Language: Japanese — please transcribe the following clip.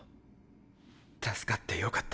助かってよかった。